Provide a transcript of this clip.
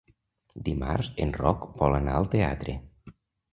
Dimarts en Roc vol anar al teatre.